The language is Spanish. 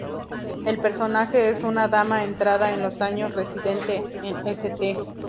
El personaje es una dama entrada en años, residente en St.